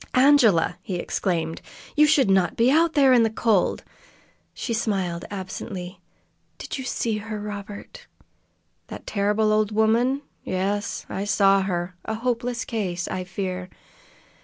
"Angela!" he exclaimed. "You should not be out there in the cold!" She smiled absently. "Did you see her, Robert?" "That terrible old woman? Yes, I saw her. A hopeless case, I fear."